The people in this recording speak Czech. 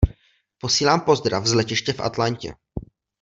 Posílám pozdrav z letiště v Atlantě.